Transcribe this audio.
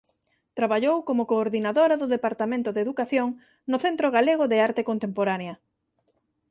Traballou como coordinadora do Departamento de Educación no Centro Galego de Arte Contemporánea.